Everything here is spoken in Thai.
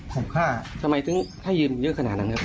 เคยคิดไหมเข้าก็ยอมครับ